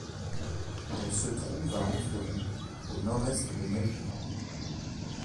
Elle se trouve à environ au nord-est de Melbourne.